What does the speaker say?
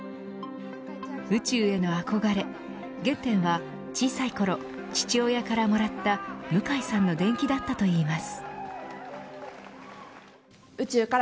宇宙への憧れ原点は小さいころ父親からもらった向井さんの伝記だったといいます。